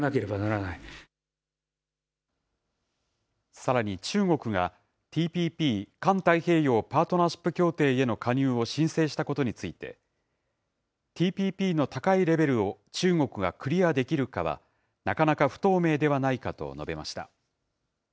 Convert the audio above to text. さらに中国が、ＴＰＰ・環太平洋パートナーシップ協定への加入を申請したことについて、ＴＰＰの高いレベルを中国がクリアできるかは、なかなか不透明ではないかと述べました。